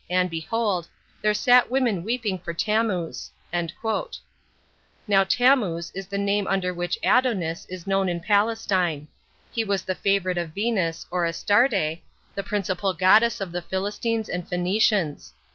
and, behold there sat women weeping for Tammuz.' Now Tammuz is the name under which Adonis was known in Palestine: he was the favourite of Venus, or Astarte, the principal goddess of the Philistines and Phœnicians.